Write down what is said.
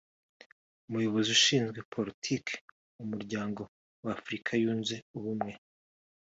umuyobozi ushinzwe Politiki mu Muryango wa Afurika yunze Ubumwe